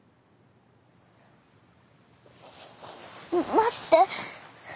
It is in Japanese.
待って！